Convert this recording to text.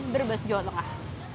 berbes jawa tengah